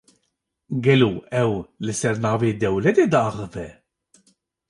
Gelo ew, li ser navê dewletê diaxife?